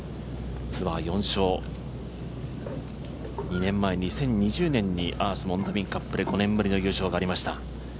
ツアー４勝、２年前、２０２０年にアース・モンダミンカップで５年ぶりの優勝がありました。